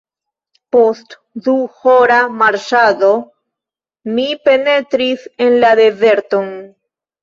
Post duhora marŝado, mi penetris en la dezerton.